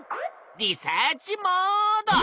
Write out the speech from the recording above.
リサーチモード！